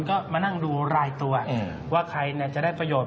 ก็มานั่งดูรายตัวว่าใครจะได้ประโยชน